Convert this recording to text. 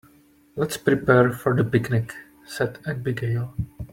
"Let's prepare for the picnic!", said Abigail.